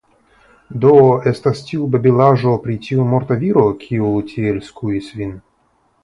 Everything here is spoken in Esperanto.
Do estas tiu babilaĵo pri tiu morta viro, kiu tiel skuis vin?